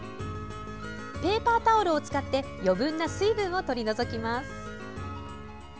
ペーパータオルを使って余分な水分を取り除きます。